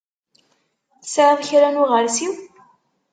Tesɛiḍ kra n uɣeṛsiw?